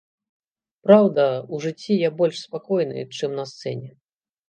Праўда, у жыцці я больш спакойны, чым на сцэне.